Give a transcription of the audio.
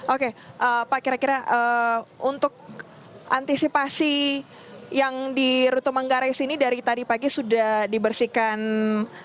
oke pak kira kira untuk antisipasi yang di ruto manggare sini dari tadi pagi sudah dibersihkan sampah setelah itu ada apa lagi pak